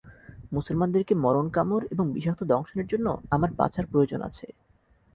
মুসলমানদেরকে মরণ কামড় এবং বিষাক্ত দংশনের জন্য আমার বাঁচার প্রয়োজন আছে।